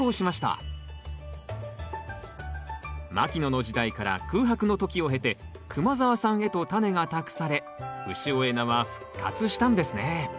牧野の時代から空白の時を経て熊澤さんへとタネが託され潮江菜は復活したんですね